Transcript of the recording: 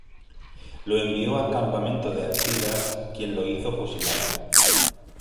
Lo envió al campamento de Artigas, quien lo hizo fusilar.